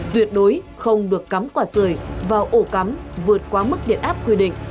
tuyệt đối không được cắm quả sười vào ổ cắm vượt qua mức điện áp quy định